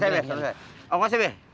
mau ngasih be